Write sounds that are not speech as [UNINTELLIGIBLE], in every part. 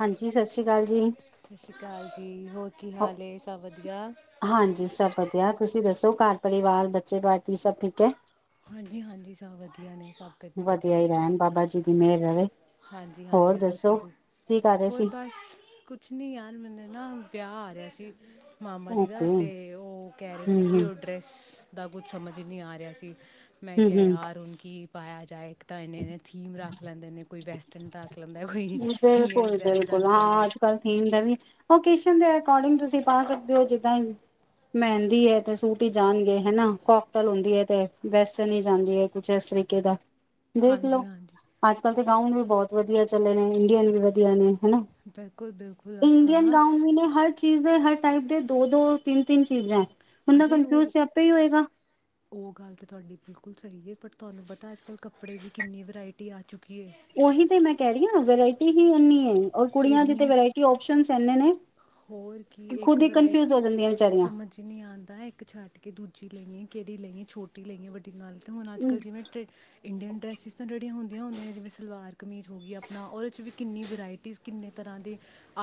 ਹਾਂਜੀ ਸਤਿ ਸ੍ਰੀ ਅਕਾਲ ਜੀ ਸਤਿ ਸ਼੍ਰੀ ਅਕਾਲ ਜੀ ਹੋਰ ਕੀ ਹਾਲ ਏ ਸਭ ਵਧੀਆ ਹਾਂਜੀ ਸਭ ਵਧੀਆ ਤੁਸੀਂ ਦੱਸੋ ਹੋਰ ਘਰ ਪਰਿਵਾਰ ਬੱਚੇ ਬੇਟੀ ਸਭ ਠੀਕ ਹੈ ਹਾਂਜੀ ਹਾਂਜੀ ਸਭ ਵਧੀਆ ਨੇ ਸਭ ਕ ਵਧੀਆ ਹੀ ਨੇ ਰਹਿਣ ਬਾਬਾ ਜੀ ਦੀ ਮਿਹਰ ਰਹੇ ਹਾਂਜੀ -ਹਾਂਜੀ ਬਿਲਕੁਲ ਰਹੇ ਹੋਰ ਸੀ ਬਸ ਕੁਛ ਨੀ ਯਾਰ ਮੈਨੂੰ ਨਾ ਵਿਆਹ ਆ ਰਿਹਾ ਸੀ। ਮਾਮਾ ਜੀ ਓਕੇ ਦਾ ਹਮ ਤੇ ਉਹ ਕਹਿ ਰਹੇ ਸੀ। ਹਮ ਕਿ ਉਹ ਡਰੈਸ ਦਾ ਕੁਝ ਸਮਝ ਹੀ ਨਹੀਂ ਆ ਰਿਹਾ ਸੀ। ਮੈਂ ਹਮ ਕਿਹਾ ਹਮ ਯਾਰ ਉ ਕੀ ਪਾਇਆ ਜਾਏ ਇੱਕ ਤਾਂ ਇਨੇ- ਇਨੇ ਥੀਮ ਰੱਖ ਲੈਂਦੇ ਨੇ ਕੋ ਵੈਸਟਰਨ ਟਾਸ ਬਿਲਕੁਲ -ਬਿਲਕੁਲ ਹਾਂ। ਦਿੰਦਾ ਅੱਜ ਕੱਲ ਥੀਮ ਦਾ ਵੀ ਓਕੇ ਦੇ ਅਕੋਰਡਿੰਗ ਤੁਸੀਂ ਪਾ ਸਕਦੇ ਹੋ ਜਿੱਦਾਂ ਹੀ ਮਹਿੰਦੀ ਹੈ ਤੇ ਸੂਟ ਹੀ ਜਾਣਗੇ। ਹਨਾ ਕੋਕਤਲ ਹੁੰਦੀ ਹੈ। ਤੇ ਵੈਸਟਰਨ ਹੀ ਜਾਂਦੀ ਹੈ। ਕੁਛ ਇਸ ਤਰੀਕੇ ਦਾ ਦੇਖ ਲੋ ਹਾਂਜੀ ਹਾਂਜੀ ਅੱਜ ਕੱਲ ਤੇ ਗਾਊਂਨ ਵੀ ਬਹੁਤ ਵਧੀਆ। ਚੱਲੇ ਨੇ ਇੰਡੀਅਨ ਵੀ ਵਧੀਆ ਨੇ ਹਨਾ ਬਿਲਕੁਲ ਬਿਲਕੁਲ ਅੱਜ ਕੱਲ੍ਹ ਇੰਡੀਅਨ ਨਾ ਗਾਂਉਨ ਵੀ ਨੇ ਹਰ ਚੀਜ਼ ਦੇ ਹਰ ਟਾਈਪ ਦੇ ਦੋ -ਦੋ, ਤਿੰਨ- ਤਿੰਨ ਚੀਜ਼ ਹੈ। ਬੰਦਾ ਅਰੇ ਉਹ, ਕੰਨਫਿਊਜ ਤੇ ਆਪੇ ਹੀ ਹੋਏਗਾ। ਉਹ ਗੱਲ ਤਾਂ ਤੁਹਾਡੀ ਬਿਲਕੁਲ ਸਹੀ ਹੈ। ਪਰ ਤੁਹਾਨੂੰ ਪਤਾ ਅੱਜ ਕੱਲ ਕੱਪੜੇ ਦੀ ਕਿੰਨੀ ਵਰਾਇਟੀ ਆ ਚੁੱਕੀ। ਹੈ ਉਹੀ ਤੇ ਮੈਂ ਕਹਿ ਰਹੀ ਹਾਂ। ਵਰਾਇਟੀ ਹੀ ਇਨੀ ਹੈ। ਔਰ ਕੁੜੀਆਂ ਦੀ ਤੇ ਇੰਨੀ ਵਰਾਇਟੀ ਓਸ਼ਨ ਇਨੇ ਨੇ ਹੋਰ ਕੀ ਕਿ ਇੱਕ ਖੁਦ ਹੀ ਵਰਾਇਟ ਕਨਫਿਊਜ ਹੋ ਜਾਂਦੀਆਂ ਵਿਚਾਰੀਆਂ ਸਮਝ ਨਹੀਂ ਆਉਂਦਾ। ਇੱਕ ਛੱਡ ਕੇ ਦੂਜੀ ਲੈਣੀ। ਕਿਹੜੀ ਲਈਏ, ਛੋਟੀ ਲਈਏ, ਵੱਡੀ ਨਾਲ ਹੁਣ ਅੱਜ ਕੱਲ੍ਹ ਜਿਵੇਂ ਇੰਡੀਅਨ ਡਰੈਸਿਸ ਤਾਂ ਰੜੀਆਂ ਹੁੰਨ। ਵ ਹੁੰਦੀਆਂ ਜਿਵੇਂ ਸਲਵਾਰ ਕਮੀਜ਼ ਹੋ ਗਈ। ਆਪਣਾ ਉਹਦੇ 'ਚ ਵੀ ਕਿੰਨੀ ਵਰਾਇਟੀਜ਼ ਕਿੰਨੇ ਤਰ੍ਹਾਂ ਦੇ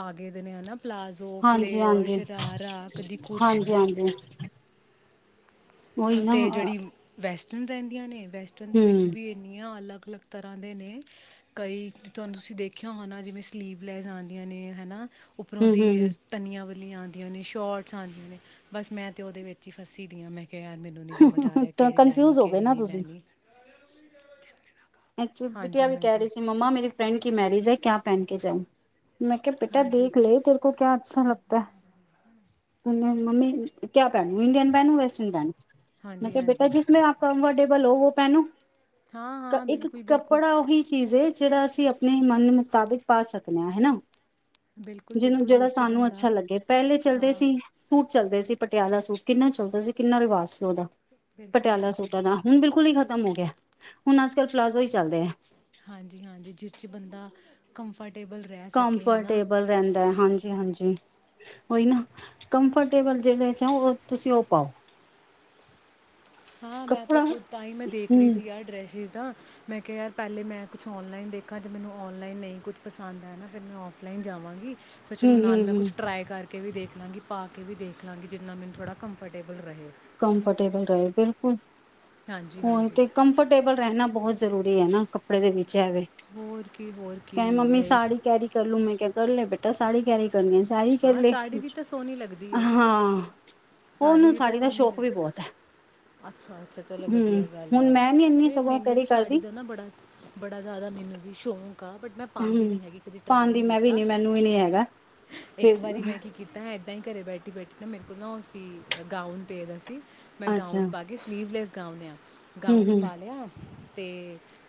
ਆ ਗਏ ਦੇ ਨੇ ਹੈਨਾ ਪਲਾਜ਼ੋ, ਫਲੇਅਰ, ਹਾਂਜੀ-ਹਾਂਜੀ, ਸ਼ਰਾਰਾ, ਕਦੀ ਕੁਛ ਹਾਂਜੀ-ਹਾਂਜੀ ਉਹੀ ਨਾ ਅਤੇ ਜਿਹੜੀ ਵੈਸਟ ਰਹਿੰਦੀਆਂ ਨੇ ਵੈਸਟਰਨ ਦੇ ਹੂੰ, ਵਿੱਚ ਵੀ ਇੰਨੀਆਂ ਅਲੱਗ ਅਲੱਗ- ਅਲੱਗ ਤਰ੍ਹਾਂ ਦੇ ਨੇ ਕਈ ਤੁਹਾਨੂੰ ਤੁਸੀਂ ਦੇਖਿਆ ਹੋ ਨਾ ਜਿਵੇਂ ਸਲੀਵ ਲੈਸ ਆਉਂਦੀਆਂ ਨੇ ਹੈਨਾ। ਉੱਪਰੋਂ ਹੂੰ-ਹੂੰ ਉਹਦੀ ਧਨੀਆਂ ਆਉਂਦੀਆਂ ਨੇ ਸ਼ੋਰਟਸ ਆਉਂਦੀਆਂ ਨੇ, ਬਸ ਮੈਂ ਤੇ ਉਹਦੇ ਵਿੱਚ ਹੀ ਫੱਸੀ ਦੀ ਆਾਂ ਮੈਂ ਕਿ ਯਾਰ ਮੈਨੂੰ ਨਹੀਂ ਸਮਝ ਆ ਰਿਹਾ ਤਾਂ ਕਿਹੜੀ ਲੈਣੀ, ਕਨਫਿਊਜ ਹੋ ਗਏ ਕਿਹੜੀ ਨਾ ਨਹੀਂ ਤੁਸੀਂ ਲੈਣੀ। ਐਚ ਬਿਟਆ ਹਾਂਜੀ ਵੀ ਕਹਿ ਹਾਂਜੀ ਰਹੀ ਸੀ। ਮੰਮਾ ਮੇਰੀ ਫਰੈਂਡ ਕੀ ਮੈਰਿਜ ਹੈ ਕਿਆ ਪਹਿਨ ਕੇ ਜਾਊ। ਮੈਂ ਕਿਹਾ- ਬੇਟਾ ਹਾਂਜੀ ਦੇਖ ਲੈ ਤੇਰੇ ਕੋ ਕਿਆ ਅੱਛਾ ਲੱਗਦਾ। ਮੰਮੀ ਕਿਆ pan Indian ban western ban ਮੈਂ ਹਾਂਜੀ ਕਿਹਾ ਬੇਟਾ ਹਾਂਜੀ ਜਿਸਨੇ ਆਪ ਵਰਡੇ ਬਲੋ ਉਹ ਭੈਨੂੰ ਹਾਂ ਹਾਂ ਇੱਕ ਬਿਲਕੁਲ ਬਿਲਕੁਲ ਕੱਪੜਾ ਉਹੀ ਚੀਜ਼ ਏ ਜਿਹੜਾ ਅਸੀਂ ਆਪਣੇ ਮਨ ਮੁਤਾਬਿਕ ਪਾ ਸਕਦੇ ਹਾਂ ਹਨਾ ਬਿਲਕੁਲ ਜਿਹਨੂੰ ਬਿਲਕੁਲ ਜਿਹੜਾ ਜਿਸ 'ਚ ਸਾਨੂੰ ਬੰਦਾ ਅੱਛਾ ਲੱਗੇ ਪਹਿਲੇ ਚੱਲਦੇ ਹਾਂ ਸੀ ਸੂਟ ਚੱਲਦੇ ਸੀ ਪਟਿਆਲਾ ਸੂਟ ਕਿੰਨਾ ਚੱਲਦਾ ਸੀ ਕਿੰਨਾ ਰਿਵਾਜ਼ ਸੀ ਉਹਦਾ ਬਿਲਕੁਲ ਪਟਿਆਲਾ ਬਿਲਕੁਲ ਸੂਟਾਂ ਦਾ ਹੁਣ ਬਿਲਕੁਲ ਨ ਖਤਮ ਕੰਮ ਹੋ ਗਿਆ ਹੁਣ ਅੱਜ ਕੱਲ ਪਲਾਜ਼ੋ ਹੀ ਚੱਲਦੇ ਆ ਹਾਂਜੀ ਹਾਂਜੀ ਜਿਸ ਚ ਬੰਦਾ ਕੰਫਰਟ ਕੰਫਰਟੇਬਲ ਰਹਿੰਦਾ ਹੈ ਹਾਂਜੀ ਹਾਂਜੀ ਹੋਈ ਨਾ ਕੰਫਰਟੇਬਲ ਜਿਹੜੇ ਚ ਉਹ ਤੁਸੀਂ ਉਹ ਪਾਓ ਹਾਂ ਮੈਂ ਤੇ ਕੱਪੜਾ ਹੂੰ ਖੁਦ ਤਾਂ ਹੀ ਮੈਂ ਦੇਖ ਰਹੀ ਹੂੰ ਸੀ ਆ ਡਰੈਸਿਸ ਦਾ ਮੈਂ ਕਿਹਾ ਯਾਰ ਪਹਿਲੇ ਮੈਂ ਕੁਛ ਔਨਲਾਈਨ ਦੇਖਾਂ ਜੇ ਮੈਨੂੰ ਔਨਲਾਈਨ ਨਹੀਂ ਕੁਛ ਪਸੰਦ ਆ ਨਾ ਫਿਰ ਮੈਂ ਔਫਲਾਈਨ ਜਾਵਾਂਗੀ ਫਰ ਚਲੋ ਹੂੰ ਨਾਲ ਮੈਂ ਹੂੰ ਕੁੱਛ ਟਰਾ ਕਰਕੇ ਕੇ ਵੀ ਦੇਖ ਲਾਂਗੀ ਪਾ ਕੇ ਵੀ ਦੇਖ ਲਾਂਗੇ ਜਿੰਨਾ ਮੈਨੂੰ ਥੋੜ੍ਹਾ ਕੰਫਰਟੇਬਲ ਰਹੇ ਕੰਫਰਟੇਬਲ ਰਹੇ ਬਿਲਕੁਲ ਹਾਂਜੀ, ਹੋਰ ਹਾਂਜੀ ਤੇ ਕੰਫਰਟੇਬਲ ਰਹਿਣਾ ਬਹੁਤ ਜ਼ਰੂਰੀ ਹੈ ਨਾ ਕੱਪੜੇ ਦੇ ਵਿੱਚ ਵੇ ਹੋਰ ਕੀ, ਹੋਰ ਕੀ ਕ ਮੰਮੀ ਇਹੀ ਸਾੜ ਕੈਰੀ ਕਰ ਲ ਮੈਂ ਕਰਲੇ ਬੇਟਾ ਸਾੜੀ ਕਰੀ ਕਰਨ ਸਾਰੀ ਹਾਂ ਚਲੇ ਸਾੜੀ ਵੀ ਤਾਂ ਸੋਹਣੀ ਲੱਗਦੀ ਏ। ਹਾਂ ਸਾੜੀ ਉਹਨੂੰ ਵੀ ਤਾਂ ਸਾਰੀ ਦਾ ਸੋਹਣੀ ਸ਼ੌਕ ਵੀ ਬਹੁਤ ਹੈ ਅੱਛਾ ਅੱਛਾ ਚਲੋ ਹਮ ਵਧੀਆ ਗੱਲ ਹੁਣ ਆ ਮੈਂ ਨੀ ਇੰਨੀ ਸਗੋਂ ਮੈਨੂੰ ਕੈਰੀ ਵੀ ਸਾੜੀ ਕਰਦੀ ਦਾ ਨਾ ਬੜਾ ਬੜਾ ਜ਼ਿਆਦਾ ਮੈਨੂੰ ਵਿਸ਼ੋਂ ਸੁੱਕਾ ਬਟ ਮੈਂ ਪਾਉਂਦੀ ਹਮ ਨਹੀਂ ਹੈਗੀ ਕਦੀ ਪਾਉਣ ਟਰਾਏ ਦੀ ਨਹੀਂ ਮੈਂ ਵੀ ਕੀਤਾ ਨੀ ਮੈਨੂੰ ਵੀ ਨੀ ਹੈਗਾ ਇੱਕ ਫਿਰ ਵਾਰੀ ਮੈਂ ਕੀ ਕੀਤਾ ਹੈ ਤਾਂ ਹੀ ਘਰ ਬੈਠੀ ਬੈਠੀ ਨਾ ਮੇਰੇ ਕੋਲ ਨਾ ਸੀ ਗਾਊਨ ਪੇਦਾ ਸੀ ਮੈਂ ਅੱਛਾ ਗਾਊਨ ਪਾ ਹਮ ਕੇ ਸਲੀਵਲੈਸ ਗਾਉਲਿਆਂ ਗਾਊਨ ਹਮ ਪਾਲਿਆ ਅਤੇ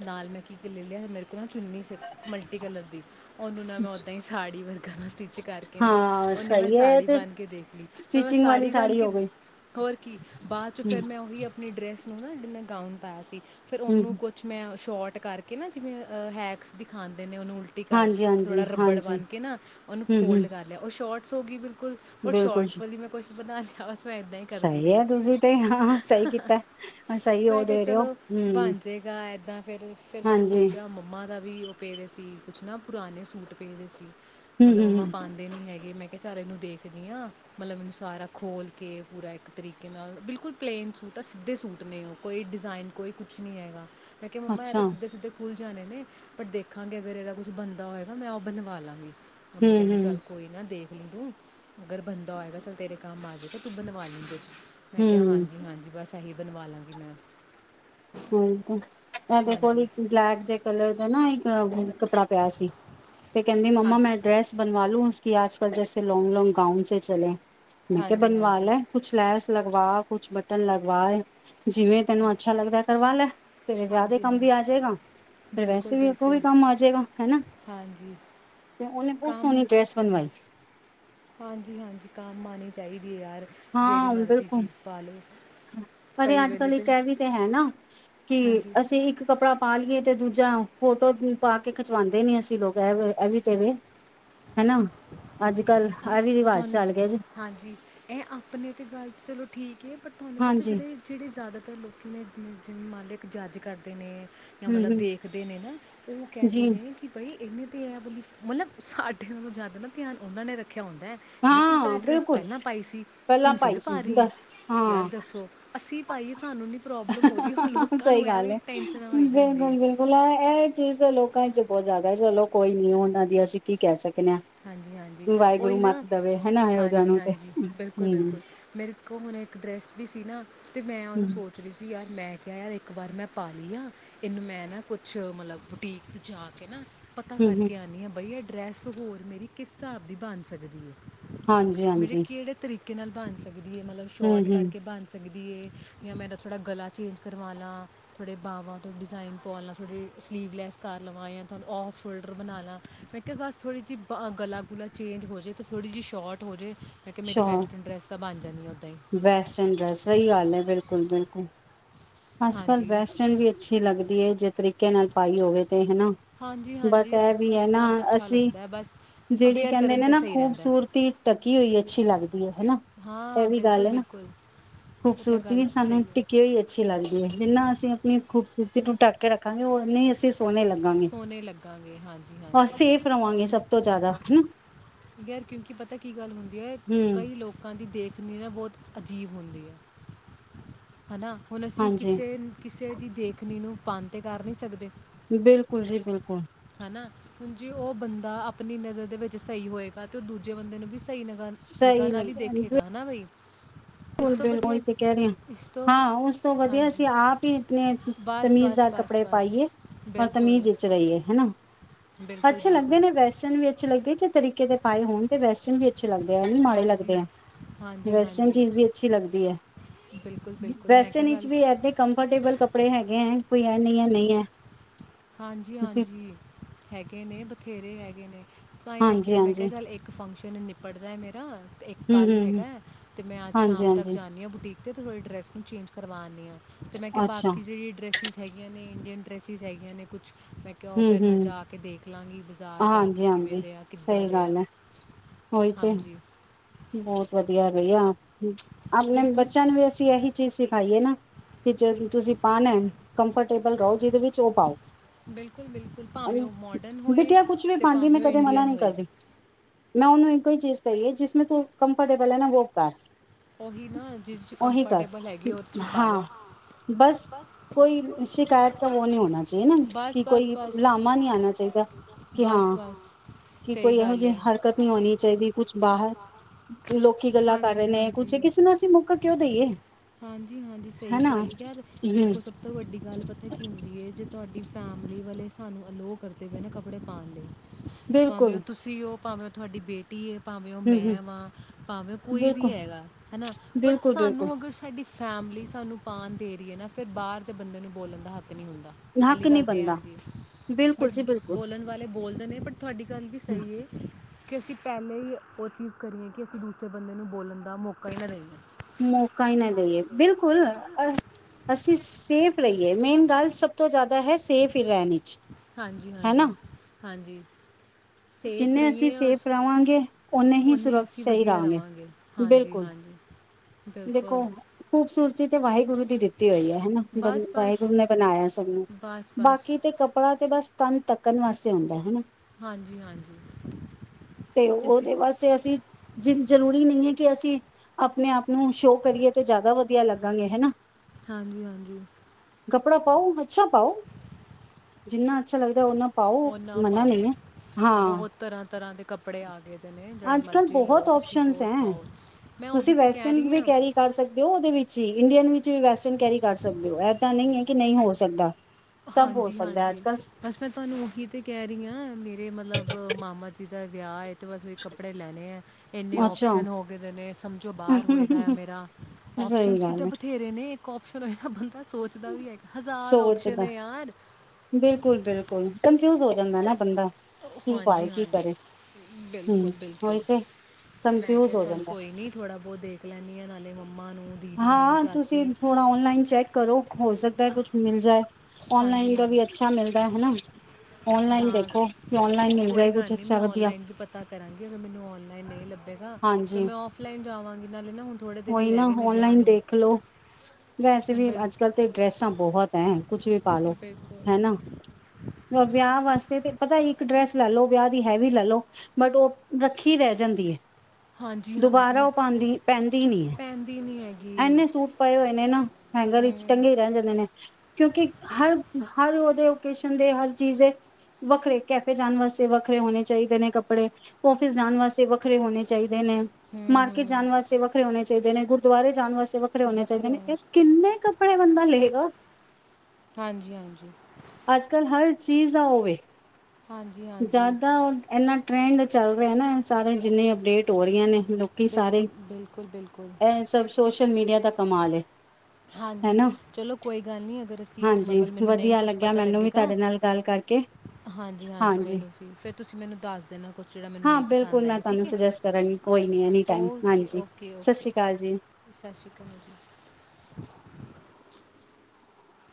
ਨਾਲ ਮੈਂ ਕੀ ਜ ਲੈ ਲਿਆ ਮੇਰੇ ਨਾ ਚੁੰਨੀ ਸ ਮਲਟੀ ਕਲਰ ਦੀ ਉਹਨੂੰ ਨਾ ਮੈਂ ਉਓਦਾਂ ਹੀ ਸਾੜੀ ਵਰਗਾ ਨਾ ਕਰਕੇ ਨਾ ਹਾਂ ਉਹਨੂੰ ਮੈਂ ਸਹੀ ਹੈ ਸਾੜੀ ਤੇ ਬਣ ਕੇ ਦੇਖ ਲਈ, ਫਿਰ ਮੈਂ ਸਟਿਚਿੰਗ ਵਾਲੀ ਸਾੜੀ ਬਣ ਕੇ ਹੋ ਗਈ ਹੋਰ ਕੀ, ਬਾਅਦ ਚ ਹਮ ਫਿਰ ਮੈਂ ਉਹੀ ਆਪਣੀ ਡਰੈਸ ਨੂੰ ਉਹ ਨਾ ਜਿਵੇਂ ਮੈਂ ਗਾਊਨ ਪੈਸ ਫਿਰ ਉਹਨੂੰ ਹਮ ਕੁਛ ਮੈਂ ਸ਼ੋਟ ਕਰਕੇ ਨਾ, ਜਿਵੇਂ ਹੈਕਸ ਦਿਖਾਉ ਨੇ ਉਹਨੂੰ ਉਲਟੀ ਹਾਂਜੀ ਕਰਕੇੇ, ਹਾਂਜੀ ਥੋੜ੍ਹਾ ਰੱਬੜ ਹਾਂਜੀ ਬਣਨ ਕੇ ਨਾ ਉਹਨੂੰ ਹਮ ਹਮ ਫੋਲਡ ਕਰ ਲਿਆ ਉਹ ਸ਼ੋਟ ਸੋਗੀ ਬਿਲ ਬ ਰ ਬਿਲਕੁਲ ਸ਼ੋਰਟਸ ਵਾਲੀ ਮੈਂ ਕੁਛ ਬਣਾ ਲਿਆ ਅਸੀ ਸਹੀ ਹੈ ਤੁਸੀਂ ਤੇ ਹਾਂ ਸਹੀ ਕੀਤਾ ਸਹੀ ਹੋ ਮੈਂ ਕਿਹਾ ਦੇ ਰਹੇ ਹੋ ਚਲੋ ਹਮ ਬਣ ਜਾਏਗਾ ਐਦਾਂ ਫਿਰ ਫਿਰ ਮੈਂ ਹਾਂਜੀ ਸੋਚਿਆ ਮੰਮਾ ਦਾ ਵੀ ਵੀ ਉਹ ਪੇ ਰ ਸੀ ਕੁਛ ਨਾ ਪੁਰਾਣੇ ਸੂਟ ਪਏਦੇ ਸੀ ਹਮ ਮਤਲਬ ਹਮ ਮੰਮਾ ਹਮ ਪਾਉਂਦੇ ਹੈਗੇ ਮੈਂ ਕਿਹਾ ਚੱਲ ਇਹਨੂੰ ਦੇਖਦੀ ਹਾਂ ਮਤਲਬ ਮੈਨੂੰ ਸਾਰਾ ਖੋਲ੍ਹ ਕੇ ਪੂਰਾ ਇੱਕ ਤਰੀਕੇ ਨਾਲ ਬਿਲਕੁਲ ਪਲੇਨ ਸੂਟ ਆ ਸਿੱਧੇ ਸੂਟ ਨੇ ਉਹ ਕੋਈ ਡਿਜ਼ਾਇਨ ਕੋਈ ਕੁਛ ਨਹੀਂੀ ਹੈਗਾ ਮੈਂ ਕਿਹਾ ਮੰਮਾ ਇਹ ਅੱਛਾ ਤਾਂ ਸਿੱਧੇ ਸਿੱਧੇੂਲ ਜਾਣੇ ਨੇ ਪਰ ਦੇਖਾਂਗੇ ਅਗਰ ਇਹਦਾ ਕੁਛ ਬੰਦਾ ਹੋਏਗਾ ਮੈਂ ਉਹ ਬਣਵਾ ਲਾਂਗੀ ਮੰਮੀ ਹਮ, ਕਹਿੰਦੀ ਹਮ‌ ਚੱਲ ਕੋਈ ਨਾ ਦੇਖ ਲੈ ਤੂੰ ਅਗਰ ਬੰਦਾ ਹੋਏਗਾ ਚੱਲ ਤੇਰੇ ਕੰਮ ਆ ਜਾਵੇਗਾ ਤੂੰ ਬਣਵਾ ਲੈਂਦੇ ਮੈਂ ਕਿਹਾ ਹੂੰ ਹਾਂਜੀ- ਹਾਂਜੀ ਬਸ ਸਹੀ ਬਣਵਾ ਲਵਾਂਗੀ ਮੈਂ ਹਾਂ, ਇਹਦੇ ਕੋਲ ਹਾਂਜੀ, ਇੱਕ ਬਲੈਕ ਜੇ ਕਲਰ ਦਾ ਨਾ ਇੱਕ ਕੱਪੜਾ ਪਿਆ ਸੀ, ਤੇ ਕਹਿੰਦੀ ਹਾਂ ਮੰਮਾ ਮੈਂ ਡਰੈਸ ਬਣਵਾ ਲੂ ਉਸ ਕੀ ਆਜ ਕਲ ਜੈਸੇ ਲੌਂਗ -ਲੌਂਗ ਗਾਊਂਨ ਤੇ ਚਲੇ ਮੈਂ ਕਿਹਾ ਹਾਂਜੀ, ਬਣਵਾ ਹਾਂਜੀ, ਲੈ, ਕੁਛ ਲੈਸ ਲਗਵਾ ਕੁਛ ਬਟਨ ਲਗਵਾਏ ਜਿਵੇਂ ਤੈਨੂੰ ਅੱਛਾ ਲੱਗਦਾ। ਕਰਵਾ ਲੈ ਫਿਰ ਵਿਆਹ ਦੇ ਹਾਂਜੀ, ਹਾਂ ਕੰਮ ਵੀ ਆ ਜਾਏਗਾ, ਫਿਰ ਬਿਲਕੁਲ, ਵੈਸੇ ਵੀ ਅਗੋ ਵੀ ਬਿਲਕੁਲ, ਕੰਮ ਆ ਜਾਏਗਾ, ਹਨਾ ਹਾਂਜੀ, ਤੇ ਉਹਨੇ ਬਹੁਤ ਕੰਮ ਸੋਹਣੀ ਡਰੈਸ ਬਣਵਾਈ। ਹਾਂਜੀ -ਹਾਂਜੀ, ਕੰਮ ਆਉਣੀ ਚਾਹੀਦੀ। ਦੀ ਯਾਰ ਜਿਹੜੀ ਹਾਂ ਮਰਜ਼ੀ ਬਿਲਕੁਲ ਚੀਜ਼ ਪਾਾਲ ਲਓ। ਪਰ ਇਹ ਕਈ ਅੱਜ ਵੇਲੇ ਕੱਲ ਇੱਕ ਇਹ ਵੀ ਤੇ ਹੈ ਨਾ, ਕਿ ਹਾਂਜੀ। ਅਸੀਂ ਇੱਕ ਕੱਪੜਾ ਪਾ ਲਈਏ ਤੇ ਦੂਜਾ ਫੋਟੋ ਪਾ ਕੇ ਖਿਚਵਾਉਂਦੇ ਨੀ ਅਸੀਂ ਲੋਕ, ਇਹਵੇ ਇਹ ਵੀ ਤੇਵੇ ਹਨਾ। ਅੱਜ ਕੱਲ ਇਹ ਵੀ ਰਿਵਾਜ ਤੁਹਾਨੂੰ ਚੱਲ ਗਿਆ ਜੀ ਹਾਂਜੀ ਇਹ ਆਪਣੇ ਤੇ ਗੱਲ ਚਲੋ ਠੀਕ ਕਿ ਪਰ ਤੁਹਾਨੂੰ ਹਾਂਜੀ ਜ਼ਿਆਦਾਤਰ ਲੋਕ ਕਿਵੇਂ ਜਿਵੇਂ ਮਾਲਿਕ ਜੱਜ ਕਰਦੇ ਨੇ ਜਾਂ ਹੂੰ ਮਤਲਬ ਹੂੰ ਦੇਖਦੇ ਨੇ ਨਾ ਤੇ ਉਹ ਜੀ ਕਹਿੰਦੇ ਨੇ ਕਿ ਬਈ ਇੰਨੇ ਤੇ ਇਹ ਬਲੀ ਮਤਲਬ ਸਾਡੇ ਨਾਲ ਤੋਂ ਜ਼ਿਆਦਾ ਨਾ ਧਿਆਨ ਉਹਨਾਂ ਨੇ ਰੱਖ ਆਖਿਆ ਹੁੰਦਾ ਹੈ ਯਾਰ ਤੂੰ ਤਾਂ ਹਾਂ ਐਡਰੈਸ ਬਿਲਕੁਲ ਪਹਿਲਾਂ ਪਾਈ ਸੀ ਪਹਿਲਾਂ ਹੁਣ ਫਿਰ ਪਾਈ ਸੀ ਪਾ ਰਹੀ ਹੈ ਦੱਸ ਯਾਰ ਹਾਂ ਦੱਸੋ ਅਸੀਂ ਪਾਈਏ ਸਾਨੂੰ ਨਹੀਂ ਪ੍ਰੋਬਲਮ ਹੋ ਰਹੀ ਉਹ ਲੋਕਾਂ ਨੂੰ ਸਹੀ ਗੱਲ ਐਵੇਂ ਹੈ ਟੈਂਸ਼ਨਾਂ ਹੋਦੀ ਹੁੰਦੀ ਹੈ ਾਂ ਚ ਬਹੁਤ ਜ਼ਿਆਦਾ ਚਲੋ ਕੋਈ ਨੀ ਉਹਨਾਂ ਦੀ ਅਸੀਂ ਕੀ ਕਹਿ ਸਕਦੇ ਹਾਂ ਹਾਂਜੀ ਹਾਂਜੀ ਵਾਹਿਗੁਰੂ ਉਹੀ ਨਾ ਮੱਤ ਦਵੇ ਹਨਾ ਇਹੋ ਜਿਹਾ ਹਾਂਜੀ ਨੂੰ ਤੇ ਹਾਂਜੀ ਹੂੰ ਬਿਲਕੁਲ ਬਿਲਕੁਲ ਮੇਰੇ ਕੋਲ ਹੁਣ ਇੱਕ ਡਰੈਸ ਵੀ ਸੀ ਨਾ ਤੇ ਮੈਂ ਹੂੰ ਉਹਨੂੰ ਸੋਚ ਰਹੀ ਸੀ ਯਾਰ ਮੈਂ ਕਿਹਾ ਯਾਰ ਇੱਕ ਵਾਰ ਮੈਂ ਪਾਾਲ ਲਈ ਆ ਇਹਨੂੰ ਮੈਂ ਨਾ ਕੁਛ ਮਤਲਬ ਬੁਟੀਕ ਜਾ ਕੇ ਨਾ ਪਤਾ ਹੂੰ ਹੂੰ ਕਰਕੇ ਆਉਂਦੀ ਆ ਬਈ ਡਰੈਸ ਹੋਲ ਮੇਰੀ ਕਿਸ ਹਿਸਾਬ ਦੀ ਬਣ ਸਕਦੀ ਹੈ ਹਾਂਜੀ ਹਾਂਜੀ ਕਿ ਨਾਲ ਬਣ ਸਕੇ ਵਧਏ ਮਤਲਬ ਹੂੰ ਸ਼ੋਰਟ ਹੂੰ ਕਰਕੇ ਬਣ ਸਕਦੀ ਦੀਏ ਜਾਂ ਮੈਂ ਤਾਂ ਥੋੜ੍ਹਾ ਗਲਾ ਚੇਜ ਕਰਵਾ ਲਾਂ ਥੋੜ੍ਹੇ ਬਾਹਵਾਂ ਤੋਂ ਡਿਜ਼ਾਇਨ ਪਾਵਾ ਲਾਂ ਥੋੜ੍ਹੀ ਸਲੀਵਲੈਸ ਕਰ ਲਵਾਂ ਜਾਂ ਤੁਹਾਨੂੰ ਔਫ ਸ਼ੋਲਡਰ ਬਣਾ ਲੈਂ ਮੈਂ ਕਿਹਾ ਬਸ ਥੋੜ੍ਹੀ ਜਿਹੀ ਗਲਾ ਗੁਲਾ ਚੇਂਜ ਹੋ ਜਾਵੇ ਤਾਂ ਥੋੜ੍ਹੀ ਜਿਹੀ ਸ਼ੋਟ ਹੋ ਜਾਵੇ ਮੈਂ ਕਿਹਾ ਮੇਰੀ ਸ਼ੋਰ ਵੈਸਟਰਨ ਡਰੈਸ ਤਾਂ ਬਣਦਾ ਵੈਸਟਰਨ ਡੈ ਸਹੀ ਗੱਲ ਹੈ ਬਿਲਕੁਲ ਬਿਲਕੁਲ ਬਿਲਕੁਲ ਅੱਜ ਕੱਲ ਹਾਂਜੀ ਵੈਸਟਰਨ ਵੀ ਅੱਛੀ ਲੱਗਦੀ ਹੈ ਜੇ ਤਰੀਕੇ ਨਾਲ ਪਾਈ ਹੋਵੇ ਹਨਾ ਹਾਂਜੀ ਬਟ ਹਾਂਜੀ ਇਹ ਅੱਜ ਵੀ ਹੈ ਕੱਲ੍ਹ ਨਾ ਸਭ ਅੱਛਾ ਅਸੀਂ ਲੱਗਦਾ ਹੈ ਬਸ ਜਿਹੜੀ ਅਵੇਅਰ ਕਹਿੰਦੇ ਕਰਨ ਨੇ ਤੇ ਨਾ ਸਹੀ ਰਹਿੰਦਾ ਹੈ। ਖੂਬਸੂਰਤੀ ਟਕੀ ਹੋਈ ਅੱਛੀ ਲੱਗਦੀ ਹੈ ਹਨਾ ਇਹ ਹਾਂ ਵੀ ਬਿਲਕੁਲ ਗੱਲ ਹੈ ਨਾ ਬਿਲਕੁਲ ਉਹ ਤਾਂ ਖੂਬਸੂਰਤੀ ਗੱਲ ਵੀ ਸਹੀ ਸਾਨੂੰ ਟਕੀ ਹੈ ਹੋਈ ਅ ਜਿੰਨਾ ਅਸੀਂ ਆਪਣੀ ਖੂਬਸੂਰਤੀ ਨੂੰ ਡਢੱਕ ਕੇ ਰੱਖਾਂਗੇ ਉ ਹੀ ਅਸੀਂ ਸੋਹਣੇ ਲੱਗਾਂਗੇ ਸੋਹਣੇ ਲੱਗਾਂਗੇ ਹਾਂਜੀ ਹਾਂ ਹਾਂਜੀ ਸੇਫ ਰਵਾਂਗੇ ਸਭ ਤੋਂ ਜ਼ਿਆਦਾ ਹਨਾ ਯੈਰ ਕਿਉਂਕਿ ਪਤਾ ਕੀ ਗੱਲ ਹੁੰਦੀ ਹੈ ਹਮ ਕਈ ਲੋਕਾਂ ਦੀ ਦੇਖ ਜਿੰਨੀ ਨਾ ਬਹੁਤ ਅਜੀਬ ਹੁੰਦੀ ਹੈ ਹਣਾ ਹੁਣ ਅਸੀਂ ਹਾਂਜੀ ਕਿਸੇ ਕਿਸੇ ਕਿਸ ਦੀ ਦੇਖਣੀ ਨੂੰ ਪਨ 'ਤੇ ਕਰ ਨਹੀਂ ਸਕਦੇ ਬਿਲਕੁਲ ਜੀ ਬਿਲਕੁਲ ਹਨਾ ਹੁਣ ਜੀ ਉਹ ਬੰਦਾ ਆਪਣੀ ਨਜ਼ਰ ਦੇ ਵਿੱਚ ਸਹੀ ਹੋਏਗਾ ਤੇ ਉਹ ਦੂਜੇ ਬੰਦੇ ਨੂੰ ਵੀ ਸਹੀ ਨਿਗਾ ਸਹੀ ਨਿਗਾਹਨ ਨਾਲ ਹੀ ਲੱਗਿਆ ਦੇਖੇਗਾ ਬਿਲਕੁਲ ਨਾ ਬ ਬਿਲਕੁਲ ਬਿਲ ਉਹੀ ਤੇ ਕਹਿ ਰਹੀ ਇਸ ਤੋਂ ਹਾਂ, ਉਸ ਤੋਂ ਵਧੀਆ ਹਾਂਜੀ ਅਸੀਂ ਆਪ ਹੀ ਆਪਣੇ ਬਸ ਬਸ ਤਮੀਜ਼ਦਾਰ ਬਸ ਕੱਪੜੇ ਬਸ ਪਾਈਏ ਔਰ ਬਿਲਕੁਲ ਤਮੀਜ਼ ਵਿਚ ਰਹੀਏ ਹਨਾ। ਬਿਲਕੁਲ ਅੱਛੇ ਲੱਗਦੇ ਬਿਲਕੁਲ ਨੇ, ਵੈਸਟਨ ਵੀ ਅੱਛੇ ਲੱਗਦੇ। ਤਰੀਕੇ ਦੇ ਪਾਏ ਹੋਣ ਤੇ ਵੈਸਟਰਨ ਵਿੱਚ ਲੱਗਦੇ ਹੈ ਮਾੜੇ ਲੱਗਦੇ ਹਾਂਜੀ ਆ, ਹਾਂਜੀ ਵੈਸਟਰਨ ਹਾਂਜੀ ਚੀਜ਼ ਵੀ ਬਿਲਕੁਲ ਬਿਲਕੁਲ ਮੈਂ ਵੈਸਟਰਨ ਕਿਹਾ ਵਿੱਚ ਚੱਲ ਵੀ ਏਦੇ ਕੰਫਰਟੇਬਲ ਕੱਪੜੇ ਹੈਗੇ ਐ, ਕੋਈ ਐ ਨਹੀਂ ਹੈ ਨਹੀਂ [UNINTELLIGIBLE] ਹਾਂਜੀ, ਤੁਸੀਂ ਹਾਂਜੀ ਹੈਗੇ ਨੇ ਕਿਹੜੇ ਹੈਗੇ ਨੇ। ਤਾਂ ਹੀ ਮੈਂ ਹਾਂਜੀ ਕਿਹਾ, ਮੈਂ ਕਿਹਾ ਹਾਂਜੀ ਚੱਲ ਇੱਕ ਫੰਕਸ਼ਨ ਨਿਪਟ ਜਾਏ ਮੇਰਾ, ਅਤੇ ਇੱਕ ਹਮ ਕੱਲ੍ਹ ਹਮ ਹੈਗਾ ਹੈ, ਅਤੇ ਮੈਂ ਅੱਜ ਹਾਂਜੀ ਸ਼ਾਮ ਤੱਕ ਹਾਂਜੀ ਜਾਂਦੀ ਹਾਂ ਬੁਟੀਕ ਅਤੇ ਤੁਹਾਡੀ ਡਰੈੱਸ ਹੁਣ ਚੇਂਜ ਕਰਵਾ ਆਨੀ ਆ। ਅਤੇ ਮੈਂ ਕਿਹਾ ਅੱਛਾ ਬਾਕੀ ਜਿਹੜੀ ਡਰੈਸਿਸ ਹੈਗੀਆਂ ਨੇ ਇੰਡੀਅਨ ਡਰੈਸਿਸ ਹੈਗੀਆਂ ਨੇ ਕੁਛ ਮੈਂ ਕਿਹਾ ਉ, ਫਿਰ ਹਮ ਮੈਂ ਹਮ ਜਾ ਕੇ ਦੇਖ ਲਾਂਗੀ ਬਾਜ਼ਾਰ ਜਾ ਕੇ, ਹਾਂਜੀ ਕਿਵੇਂ ਹਾਂਜੀ ਦੇ ਆ, ਕਿੱਦਾਂ ਸਹੀ ਦੇ ਆ ਗੱਲ ਹੈ ਉਹੀ ਤੇ ਹਾਂਜੀ। ਬਹੁਤ ਵਧੀਆ ਰਹਿਆ। ਆਪਣੇ ਬਿਲਕੁਲ, ਬੱਚਿਆਂ ਨੂੰ ਵੀ ਅਸੀਂ ਇਹੀ ਚੀਜ਼ ਸਿਖਾਈਏ ਨਾ। ਕਿ ਜਦ ਤੁਸੀਂ ਪਾਣਾ ਕੰਫਰਟੇਬਲ ਰਹੋ, ਜਿਹਦੇ ਵਿੱਚ ਉਹ ਪਾਉ। ਬਿਲਕੁਲ ਬਿਲਕੁਲ, ਭਾਵੇਂ ਉਹ ਮਾਰਡਨ ਹੋਏ ਬਿਟੀਆ ਕੁਛ ਵੀ ਅਤੇ ਪਾਂਦੀ ਭਾਵੇਂ ਮੈਂ ਉਹ ਕਦੇ ਇੰਡੀਅਨ ਹੋਏ। ਕੋਈ ਚੀਜ਼ ਕਹੀਏ ਜਿਸ ਜਿਸ ਤਰ੍ਹਾਂ ਤੂੰ ਕੰਫਰਟੇਬਲ ਹੈ ਨਾ ਉਹ ਪਾ। ਉਹੀ ਨਾ, ਜਿਸ 'ਚ ਉਹੀ ਕਰ ਕੰਫਰਟੇਬਲ ਹੈਗੀ, ਉਹ 'ਚ ਹੀ ਪਾ ਹਾਂ, ਲਓ। ਬਸ ਕੋਈ ਸ਼ਿਕਾਇਤ ਤਾਂ ਉਹ ਨਹੀਂ ਹੋਣਾ ਚਾਹੀਦਾ ਨਾ, ਬਸ, ਕਿ ਬਸ, ਕੋਈ ਬਸ। ਉਲਾਮਾ ਨਹੀਂ ਆਉਣਾ ਚਾਹੀਦਾ, ਕਿ ਬਸ ਹਾਂ ਬਸ ਕਿ ਸਹੀ ਕੋਈ ਇਹੋ ਗੱਲ ਆ ਜਿਹੀ ਹਰਕਤ ਨਹੀਂ ਹੋਣੀ ਚਾਹੀਦੀ, ਕੁਛ ਬਾਹਰ ਲੋਕੀ ਗੱਲਾਂ ਕਰ ਹਾਂਜੀ, ਰਹੇ ਨੇ ਕੁਛ ਹਾਂਜੀ ਕਿਸੇ ਨੂੰ ਅਸੀਂ ਮੌਕਾ ਕਿਉਂ ਦੇਈਏ ਹਾਂਜੀ, ਹਾਂਜੀ ਸਹੀ ਹਨਾ ਗੱਲ, ਯਾਰ ਹੂੰ ਦੇਖੋ, ਸਭ ਤੋਂ ਵੱਡੀ ਗੱਲ ਪਤਾ ਕੀ ਹੁੰਦੀ ਏ ਤੁਹਾਡੀ ਫੈਮਿਲੀ ਵਾਲੇ ਸਾਨੂੰ ਅਲੋਅ ਕਰਦੇ ਪਏ ਨੇ ਕੱਪੜੇ ਪਾਉਣ ਲਈ। ਭਾਵੇਂ ਬਿਲਕੁਲ ਉਹ ਤੁਸੀਂ ਉਹ ਭਾਵੇਂ ਉਹ ਤੁਹਾਡੀ ਬੇਟੀ ਏ। ਭਾਵੇਂ ਉਹ ਹੂੰ ਹੂੰ ਮੈਂ ਵਾਂ ਭਾਵੇਂ ਕੋਈ ਵੀ ਬਿਲਕੁਲ ਹੈਗਾ, ਹਨਾ ਬਟ ਬਿਲਕੁਲ ਬਿਲਕੁਲ ਸਾਨੂੰ ਅਗਰ ਸਾਡ ਸਾਡੀ ਫੈਮਲੀ ਸਾਨੂੰ ਪਾਉਣ ਦੇ ਰਹੀ ਹੈ ਨਾ, ਫਿਰ ਬਾਹਰ ਦੇ ਬੰਦੇ ਨੂੰ ਬੋਲਣ ਦਾ ਹੱਕ ਪਹਿਲੀ ਹੱਕ ਨਹੀਂ ਗੱਲ ਤੇ ਇਹ ਬਣਦਾ ਆਉਂਦੀ, ਬਟ ਬਿਲਕੁਲ ਜੀ ਬਿਲਕੁਲ ਬੋਲਣ ਵਾਲੇ ਤਾਂ ਬੋਲ [UNINTELLIGIBLE] ਤੁਹਾਡੀ ਗੱਲ ਵੀ ਸਹੀ ਏ। ਕਿ ਅਸੀਂ ਪਹਿਲੇ ਹੀ ਉਹ ਚੀਜ਼ ਕਰੀਏ ਕਿ ਅਸੀਂ ਹੁਣ ਕਿਸੇ ਬੰਦੇ ਨੂੰ ਬੋਲਣ ਦਾ ਮੌਕਾ ਹੀ ਨਾ ਦਈਏ। ਮੌਕਾ ਹੀ ਨਾ ਦੇਈਏ ਬਿਲਕੁਲ ਅ ਅਸੀਂ ਸੇਫ ਰਹੀਏ ਮੇਨ ਗੱਲ ਸਭ ਤੋਂ ਜ਼ਿਆਦਾ ਦਾ ਹੈ ਸੇਫ ਹੀ ਰਹਿਣ ਵਿੱਚ ਹਾਂਜੀ ਹਾਂਜੀ ਹੈਨਾ। ਹਾਂਜੀ ਸੇਫ ਜਿੰਨੇ ਅਸੀਂ ਰਹੀਏ ਔਰ ਸੇਫ ਰਹਾਂਗੇ ਓਨੇ ਹੀ ਉਹਨੇ ਸੁਰਤ ਅਸੀਂ ਸਹੀ ਵਧੀਆ ਰਹਾਂਗੇ, ਰਵਾਂਗੇ ਹਾਂਜੀ ਬਿਲਕੁਲ। ਹਾਂਜੀ ਦੇਖੋ ਬਿਲਕੁਲ ਖੂਬਸੂਰ ਤੀ ਤੇ ਵਾਹਿਗੁਰੂ ਦੀ ਦਿੱਤੀ ਹੋਈ ਹੈ ਹਨਾ ਬੰ ਬਸ ਬਸ ਵਾਹਿਗੁਰੂ ਨੇ ਬਣਾਇਆ ਸਭ ਨੂੰ ਬਸ ਬਸ ਬਾਕੀ ਤੇ ਕੱਪੜਾ ਤੇ ਬਸ ਤਨ ਢੱਕਣ ਵਾਸਤੇ ਆਉਂਦਾ ਹੈ, ਹਨਾ। ਹਾਂਜੀ ਹਾਂਜੀ ਤੇ ਜਿਸ ਉਹਦੇ ਵਾਸਤੇ ਅਸੀਂ ਜਿ ਜਰੂਰੀ ਨਹੀਂ ਹੈ। ਕਿ ਅਸੀਂ ਆਪਣੇ ਆਪ ਨੂੰ ਸ਼ੋਅ ਕਰੀਏ ਤੇ ਜ਼ਿਆਦਾ ਵਧੀਆ ਲੱਗਾਂਗੇ ਹੈਨਾ। ਹਾਂਜੀ-ਹਾਂਜੀ। ਕੱਪੜਾ ਪਾਓ ਅੱਛਾ ਪਾਓ, ਜਿੰਨਾ ਅੱਛਾ ਲੱਗਦਾ ਉਨਾ ਉਹ ਨਾ ਪਾਓ ਬਹੁਤ ਤਰ੍ਹਾਂ- ਤਰ੍ਹਾਂ ਦੇ ਕੱਪੜੇ ਆ ਗਏ। ਦੇ ਨੇ ਜਿਹੜੇ ਅੱਜ- ਕੱਲ੍ਹ ਮਰਜ਼ੀ ਲਓ ਬਹੁਤ ਤੁਸੀਂ ਓਪਸ਼ਨਸ ਬਹੁਤ ਹੈ, ਪਾਓ ਮੈਂ ਉਹੀ ਤੁਸੀਂ ਤੇ ਕਹਿ ਵੈਸਟਰਨ ਰਹੀ ਵੀ ਹਾਂ ਕੈਰੀ ਕਰ ਸਕਦੇ ਹੋ ਉਹਦੇ ਵਿੱਚ ਹੀ ਇੰਡੀਅਨ ਵਿੱਚ ਵੀ ਵੈਸਟਰਨ ਕੈਰੀ ਕਰ ਸਕਦੇ ਹੋ, ਇੱਦਾਂ ਨਹੀਂ ਹੈ ਕਿ ਨਹੀਂ ਹੋ ਸੱਦਾ ਹਾਂਜੀ- ਹਾਂਜੀ ਬਸ ਮੈਂ ਤੁਹਾਨੂੰ ਉਹੀ ਤੇ ਕਹਿ ਰਹੀ ਹਾਂ, ਮੇਰੇ ਮਤਲਬ ਮਾਮਾ ਜੀ ਤਾਂ ਵਿਆਹ ਬਸ ਵੀ ਕੱਪੜੇ ਲੈਣੇ ਐ। ਇੰਨੇ ਅੱਛਾ ਓਪਸ਼ਨ ਹੋ ਗਏ ਦੇ ਨੇ। ਸਮਝੋ ਬਾਹਰ ਹੋਏ ਦਾ ਆ ਮੇਰਾ ਸਹੀ ਓਪਸ਼ਨਸ ਵੀ ਗੱਲ ਤਾਂ ਹੈ ਬਥੇਰੇ ਨੇ ਕੋਪਸ਼ ਰਹਿਣਾ ਬਣਦਾ। ਸੋਚਦਾ ਵੀ ਹੈਗਾ ਹਜ਼ਾਰ ਓਪ ਸੋਚਦਾ ਚਲੇ ਯਾਰ ਬਿਲਕੁਲ- ਬਿਲਕੁਲ ਕਨਫਿਊਜ ਹੋ ਜਾਂਦਾ ਨਾ ਬੰਦਾ। ਕੀ ਪਾਏ ਹਾਂਜੀ- ਕੀ ਹਾਂਜੀ ਕਰੇ ਹਮ ਬਿਲਕੁਲ- ਉਹੀ ਬਿਲਕੁਲ ਤੇ ਮੈਂ ਕੰਨਫਿਊਜ ਕਿਹਾ ਹੋ ਚੱਲ ਜਾਂਦਾ ਕੋਈ ਨੀ ਥੋੜ੍ਹਾ ਬਹੁਤ ਦੇਖ ਲੈਂਦੀ ਹਾਂ ਨਾਲੇ ਮੰਮਾ ਨੂੰ, ਦੀਦੀ ਨੂੰ, ਹਾਂ ਤੁਸੀਂ ਚਾਚੀ ਥੋੜਾ ਓਨਲਾਈਨ ਚੈੱਕ ਕਰੋ। ਹੋ ਸਕਦਾ ਹੈ, ਅ ਕੁਛ ਮਿਲ ਜਾਏ। ਹਾਂਜੀ ਔਨਲਾਈਨ ਦਾ ਹਾਂ ਵੀ ਅੱਛਾ ਮਿਲਦਾ ਹੈ ਹਨਾ ਔਨਲਾਈਨ ਹਾਂ ਦੇਖੋ ਕਿ ਔਨਲਾਈਨ ਮਿਲ ਕੋਈ ਜਾਏ ਗੱਲ ਕੁਛ ਨਹੀਂ ਅੱਛਾ ਮੈਂ ਵਧੀਆ ਔਨਲਾਈਨ ਵੀ ਪਤਾ ਕਰਾਂਗੀ ਅਗਰ ਮੈਨੂੰ ਔਨਲਾਈਨ ਨਹੀਂ ਲੱਭੇਗਾ ਫਿਰ ਹਾਂਜੀ ਮੈਂ ਔਫਲਾਈਨ ਜਾਵਾਂਗੀ ਨਾਲੇ ਨਾ ਹੁਣ ਥੋੜੇ ਦਿਨ ਹੀ ਰਹਿ ਗਏ ਨੇ ਵਿਆਹ [UNINTELLIGIBLE] ਨੂੰ ਦੇਖਲੋ ਵੈਸੇ ਵੀ ਬਿਲ ਅੱਜ ਕੱਲ੍ਹ ਤੇ ਡਰੈਸਾਂ ਬਹੁਤ ਹੈ ਕੁਛ ਵੀ ਪਾਲੋ ਬਿਲਕੁਲ ਹੈ ਨਾ ਵਿਆਹ ਵਾਸਤੇ ਤੇ ਪਤਾ ਇੱਕ ਡਰੈਸ ਲੈ ਲਓ ਵਿਆਹ ਦੀ ਹੈਵੀ ਲੈ ਲਓ ਬਟ ਉਹ ਰੱਖੀ ਰਹਿ ਜਾਂਦੀ ਏ ਹਾਂਜੀ ਦੁਬਾਰਾ ਹਾਂਜੀ ਉਹ [UNINTELLIGIBLE] ਪੈਂਦੀ ਨੀ ਪੈਂਦੀ ਨਹੀਂ ਹੈਗੀ ਏਨੇ ਸੂਟ ਪਏ ਹੋਏ [UNINTELLIGIBLE] ਹੈਂਗਰ ਚ ਹੂੰ ਟੰਗੇ ਈ ਰਹਿ ਜਾਂਦੇ ਨੇ ਕਿਉਂਕਿ ਹਰ ਹਰ ਓਕੇਸ਼ਨ ਦੇ ਹਰ ਚੀਜ਼ ਦੇ ਵੱਖਰੇ ਕੈਫੇ ਜਾਣ ਵਾਸਤੇ ਵੱਖਰੇ ਹੋਣੇ ਚਾਹੀਦੇ ਨੇ ਕੱਪੜੇ ਓਫਿਸ ਜਾਣ ਵਾਸਤੇ ਵੱਖਰੇ ਹੋਣੇ ਚਾਹੀਦੇ [UNINTELLIGIBLE] ਹੂੰ ਮਾਰਕੀਟ ਜਾਣ ਹੂੰ ਵਾਸਤੇ ਵੱਖਰੇ ਹੋਣੇ [UNINTELLIGIBLE] ਗੁਰਦੁਆਰੇ ਜਾਨ ਵਾਸਤੇ ਵੱਖਰੇ ਹੋਣੇ ਚਾਹੀਦੇ ਨੇ ਕਿੰਨੇ ਕੱਪੜੇ ਬੰਦਾ ਲਏਗਾ ਹਾਂਜੀ ਹਾਂਜੀ ਅੱਜ ਕੱਲ੍ਹ ਹਰ [UNINTELLIGIBLE] ਦਾ ਹੋਵੇ ਹਾਂਜੀ [UNINTELLIGIBLE] ਹਾਂਜੀ ਟ੍ਰੈਂਡ ਚੱਲ ਰਿਹਾ ਨਾ ਸਾਰੇ ਜਿੰਨੇ ਅਪਡੇਟ ਹੋ ਰਹੀਆਂ ਨੇ ਲੋਕੀ ਸਾਰੇ ਬਿਲਕੁਲ ਬਿਲਕੁਲ ਬਿਲਕੁਲ ਇਹ ਸਭ ਸੋਸ਼ ਸੋਸ਼ਲ ਮੀਡੀਆ ਦਾ ਕਮਾਲ ਏ ਹਾਂਜੀ ਚਲੋ ਕੋਈ ਗੱਲ ਨੀ ਅਗਰ ਅਸੀਂ ਹਾਂਜੀ ਮਗਰ ਮੈਨੂੰ ਨਹੀਂ ਵਧੀਆ ਕੁਛ ਲੱਗਿਆ ਪਤਾ ਮੈਨੂੰ ਵੀ ਲੱਗੇਗਾ ਤੁਹਾਡੇ ਨਾਲ ਗੱਲ ਕਰਕੇ ਹਾਂਜੀ ਹਾਂਜੀ ਮੈਨੂੰ ਫਿਰ ਤੁਸੀਂ ਮੈਨੂੰ ਦੱਸ ਦਿ [INAUDIBLE] [INAUDIBLE] ਜਿਹੜਾ ਮੈਨੂੰ ਹਾਂ ਨਹੀਂ ਪਸੰਦ ਬਿਲਕੁਲ ਮੈਂ ਆਏਗਾ ਠੀਕ ਤੁਹਾਨੂੰ ਹੈ ਸੁਜੈਸਟ ਕਰਾਂਗੀ ਕੋਈ ਨੀ ਐਨੀ ਟਾਈਮ ਓਕੇ ਹਾਂਜੀ ਓਕੇ ਸਤਿ ਓਕੇ ਸ਼੍ਰੀ ਅਕਾਲ ਜੀ ਸਤਿ ਸ਼੍ਰੀ ਅਕਾਲ ਜੀ [UNINTELLIGIBLE]